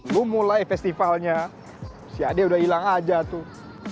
lu mulai festivalnya si adik udah hilang aja tuh